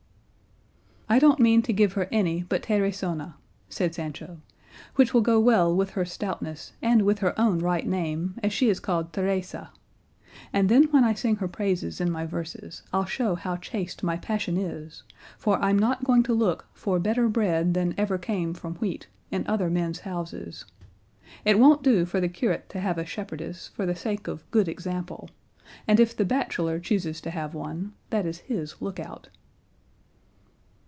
"I don't mean to give her any but Teresona," said Sancho, "which will go well with her stoutness and with her own right name, as she is called Teresa; and then when I sing her praises in my verses I'll show how chaste my passion is, for I'm not going to look 'for better bread than ever came from wheat' in other men's houses. It won't do for the curate to have a shepherdess, for the sake of good example; and if the bachelor chooses to have one, that is his look out."